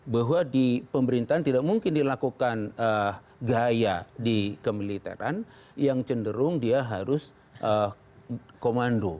bahwa di pemerintahan tidak mungkin dilakukan gaya di kemiliteran yang cenderung dia harus komando